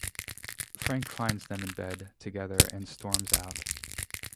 Frank finds them in bed together and storms out.